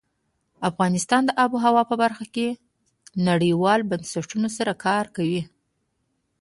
افغانستان د آب وهوا په برخه کې نړیوالو بنسټونو سره کار کوي.